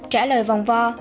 trả lời vòng vo